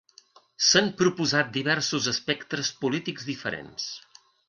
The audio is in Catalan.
S'han proposat diversos espectres polítics diferents.